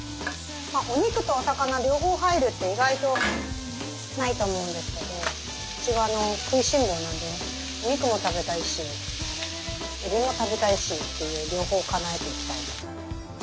お肉とお魚両方入るって意外とないと思うんですけどうちは食いしん坊なんでお肉も食べたいしえびも食べたいしっていう両方かなえていきたい。